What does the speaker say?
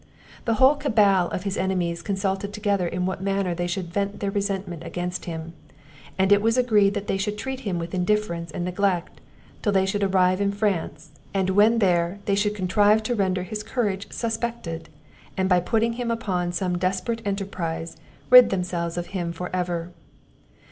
The whole cabal of his enemies consulted together in what manner they should vent their resentment against him; and it was agreed that they should treat him with indifference and neglect, till they should arrive in France; and when there, they should contrive to render his courage suspected, and by putting him upon some desperate enterprize, rid themselves of him for ever.